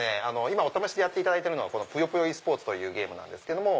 今お試しでやっていただいてるのは『ぷよぷよｅスポーツ』というゲームなんですけども。